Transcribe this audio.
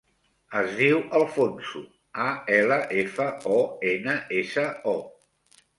Es diu Alfonso: a, ela, efa, o, ena, essa, o.